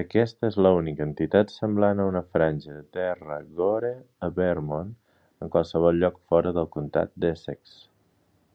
Aquesta és l'única entitat semblant a una franja de terra "gore" a Vermont en qualsevol lloc fora del comtat d'Essex.